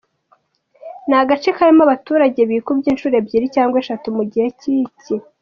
Ni agace karimo abaturage bikubye inshuro ebyiri cyangwa eshatu mu gihe cy'iki".